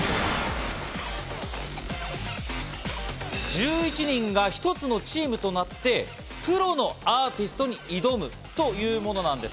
１１人が一つのチームとなってプロのアーティストに挑むというものなんです。